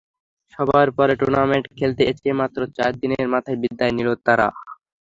সবার পরে টুর্নামেন্টে খেলতে এসে মাত্র চার দিনের মাথায় বিদায় নিল তারা।